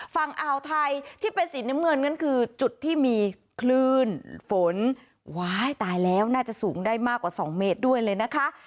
ฝั่งอ่าวไทยที่เป็นสีน้ำเงินนั่นคือจุดที่มีคลื่นฝนว้ายตายแล้วน่าจะสูงได้มากกว่า๒เมตรด้วยเลยนะคะ